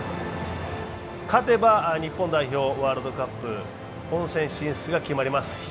勝てば日本代表、ワールドカップ本戦進出が決まります。